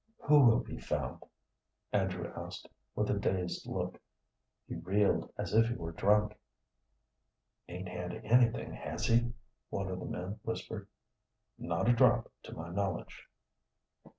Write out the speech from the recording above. "Who will be found?" Andrew asked, with a dazed look. He reeled as if he were drunk. "Ain't had anything, has he?" one of the men whispered. "Not a drop to my knowledge."